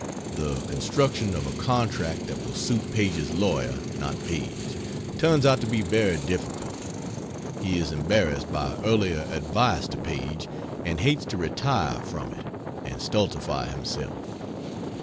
The construction of a contract that will suit Paige's lawyer (not Paige) turns out to be very difficult. He is embarrassed by earlier advice to Paige, and hates to retire from it and stultify himself.